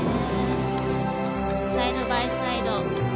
サイドバイサイド。